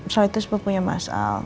soalnya itu sepupunya mas al